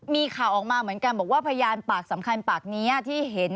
มีข่าวออกมาเหมือนกันบอกว่าพยานปากสำคัญปากนี้ที่เห็น